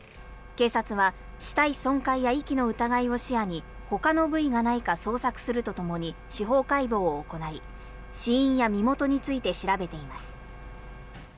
警察は死体損壊や遺棄の疑いを視野にほかの部位がないか捜索するとともに司法解剖を行い死因や身元について調べています。